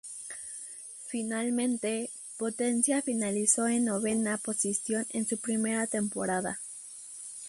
Finalmente, Potencia finalizó en novena posición en su primera temporada.